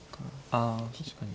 あ確かに。